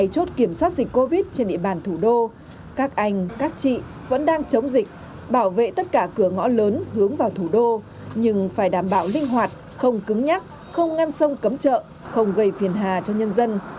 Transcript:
một mươi chốt kiểm soát dịch covid trên địa bàn thủ đô các anh các chị vẫn đang chống dịch bảo vệ tất cả cửa ngõ lớn hướng vào thủ đô nhưng phải đảm bảo linh hoạt không cứng nhắc không ngăn sông cấm chợ không gây phiền hà cho nhân dân